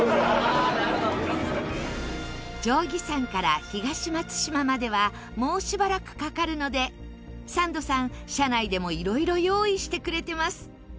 定義山から東松島まではもうしばらくかかるのでサンドさん、車内でもいろいろ用意してくれてます